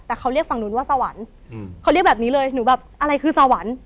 แต่เขาเรียกฝั่งนู้นว่าสวรรค์เขาเรียกแบบนี้เลยหนูแบบอะไรคือสวรรค์